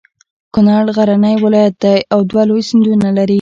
کنړ غرنی ولایت ده او دوه لوی سیندونه لري.